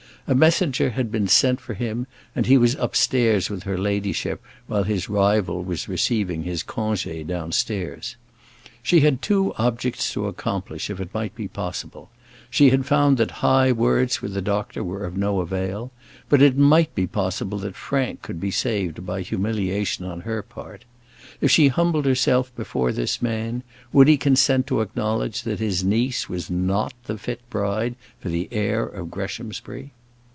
A messenger had been sent for him, and he was upstairs with her ladyship while his rival was receiving his congé downstairs. She had two objects to accomplish, if it might be possible: she had found that high words with the doctor were of no avail; but it might be possible that Frank could be saved by humiliation on her part. If she humbled herself before this man, would he consent to acknowledge that his niece was not the fit bride for the heir of Greshamsbury?